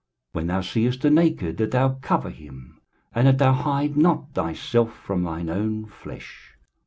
when thou seest the naked, that thou cover him; and that thou hide not thyself from thine own flesh?